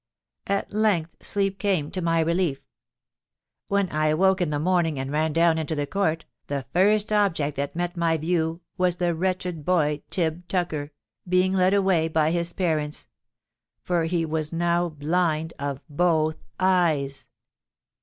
At length sleep came to my relief. When I awoke in the morning and ran down into the court, the first object that met my view was the wretched boy Tib Tucker, being led away by his parents—_for he was now blind of both eyes!